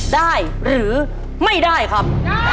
ได้หรือไม่ได้ครับ